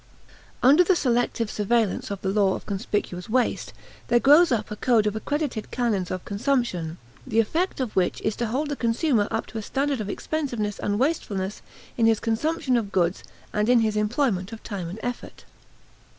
Under the selective surveillance of the law of conspicuous waste there grows up a code of accredited canons of consumption, the effect of which is to hold the consumer up to a standard of expensiveness and wastefulness in his consumption of goods and in his employment of time and effort.